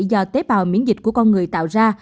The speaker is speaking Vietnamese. do tế bào miễn dịch của con người tạo ra